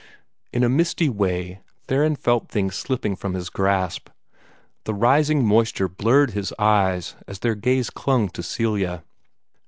In a misty way Theron felt things slipping from his grasp. The rising moisture blurred his eyes as their gaze clung to Celia.